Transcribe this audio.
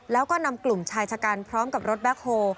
แล้วก็นำกลุ่มชายชะกันพร้อมกับรถแคคโฮล